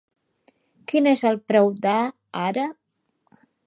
Quin és el preu d' "A" ara?